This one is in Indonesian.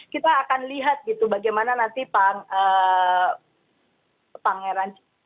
kita akan lihat gitu bagaimana nanti pangeran china